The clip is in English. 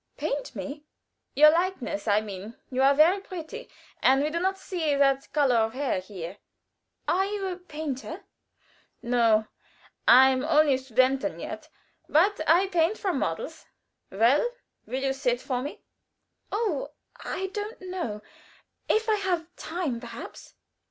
"Paint me?" "Your likeness, I mean. You are very pretty, and we never see that color of hair here." "Are you a painter?" "No, I'm only a Studentin yet; but I paint from models. Well, will you sit to me?" "Oh, I don't know. If I have time, perhaps."